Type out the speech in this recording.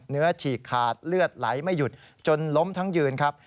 ฉีกขาดเลือดไหลไม่หยุดจนล้มทั้งยืนครับ